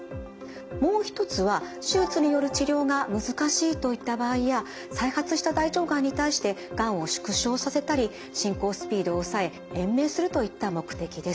もう一つは手術による治療が難しいといった場合や再発した大腸がんに対してがんを縮小させたり進行スピードを抑え延命するといった目的です。